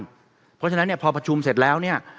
เพราะฉะนั้นเนี่ยพอประชุมเสร็จแล้วเนี่ย